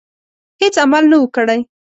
هیڅ عمل نه وو کړی.